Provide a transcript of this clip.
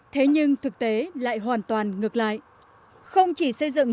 thế nhưng thực tế lại hoàn toàn ngược lại